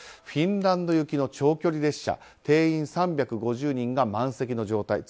フィンランド行きの長距離列車定員３５０人が満席の状態。